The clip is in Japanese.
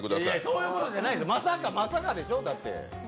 そういうことじゃないんです、まさかまさかでしょ。